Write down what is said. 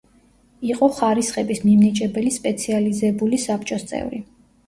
იყო ხარისხების მიმნიჭებელი სპეციალიზებული საბჭოს წევრი.